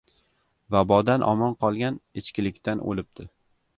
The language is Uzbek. • Vabodan omon qolgan ichkilikdan o‘libdi.